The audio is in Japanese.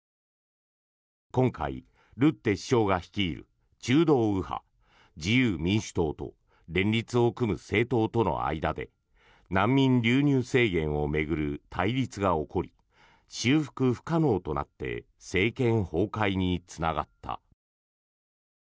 今回、ルッテ首相が率いる中道右派、自由民主党と連立を組む政党との間で難民流入制限を巡る対立が起こり修復不可能となって政権崩壊につながった。